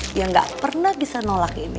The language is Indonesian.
dia nggak pernah bisa nolak ini